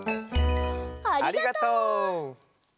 ありがとう。